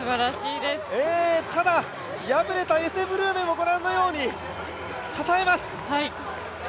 ただ敗れたエセ・ブルーメもご覧のように、たたえます。